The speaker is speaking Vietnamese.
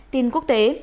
tin quốc tế